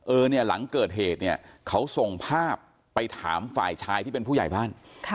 เออเนี่ยหลังเกิดเหตุเนี่ยเขาส่งภาพไปถามฝ่ายชายที่เป็นผู้ใหญ่บ้าน